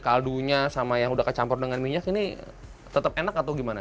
kaldu sama yang sudah dicampur dengan minyak ini tetap enak atau gimana